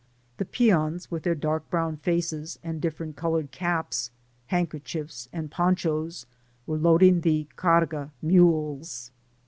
The peons, with their dark brown faces, and different coloured caps, handkerchiefs, and ponchos, were loading the carga'' mules.